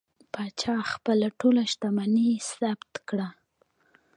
پاچا خپله ټوله شتمني ثبت کړه.